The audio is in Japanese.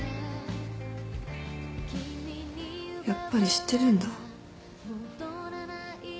やっぱり知ってるんだ。